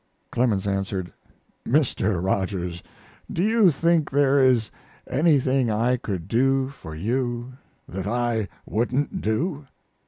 Clemens answered, "Mr. Rogers, do you think there is anything I could do for you that I wouldn't do?"